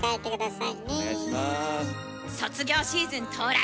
卒業シーズン到来。